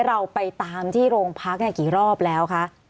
เราไปตามที่โรงพักษณ์อย่างกี่รอบแล้วคะ